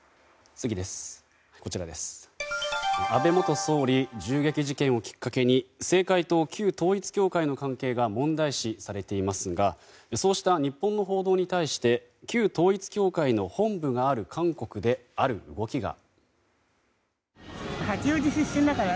安倍元総理銃撃事件をきっかけに政界と旧統一教会の関係が問題視されていますがそうした日本の報道に対して旧統一教会の本部がある韓国である動きが。